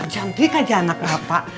cantik aja anak bapak